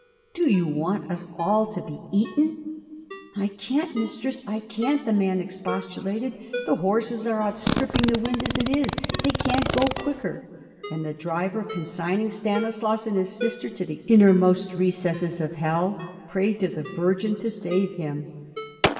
"Do you want us all to be eaten?" "I can't mistress, I can't!" the man expostulated; "the horses are outstripping the wind as it is. They can't go quicker." And the driver, consigning Stanislaus and his sister to the innermost recesses of hell, prayed to the Virgin to save him.